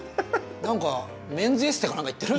何かメンズエステか何か行ってる？